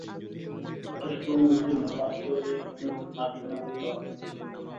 এটা শুধু অনুভূতি নয়, বাস্তবেই অনেক মার্কিন নাগরিক বাদ পড়ে গেছেন।